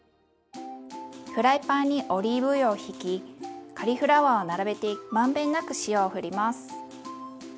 フライパンにオリーブ油をひきカリフラワーを並べて満遍なく塩をふります。